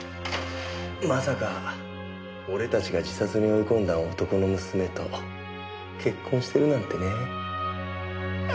まさか俺たちが自殺に追い込んだ男の娘と結婚してるなんてね。